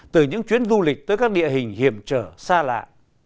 từ những chuyến du lịch tới các địa hình hiểm trở xa lạ